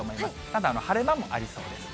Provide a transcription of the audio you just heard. ただ晴れ間もありそうです。